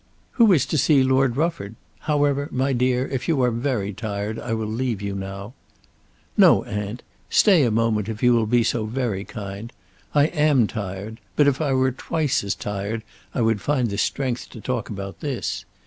"Who is to see Lord Rufford? However, my dear, if you are very tired, I will leave you now." "No, aunt. Stay a moment if you will be so very kind. I am tired; but if I were twice as tired I would find strength to talk about this.